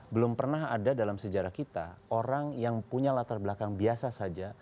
belum pernah ada dalam sejarah kita orang yang punya latar belakang biasa saja